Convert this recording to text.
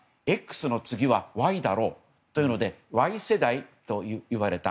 Ｘの次はＹだろうということでＹ世代といわれた。